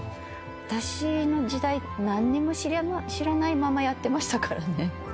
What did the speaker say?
私の時代何にも知らないままやってましたからね。